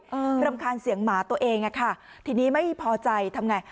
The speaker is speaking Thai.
อืมรำคาญเสียงหมาตัวเองอ่ะค่ะทีนี้ไม่พอใจทำไง